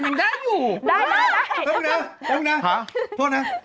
งั้งนะโทษนะ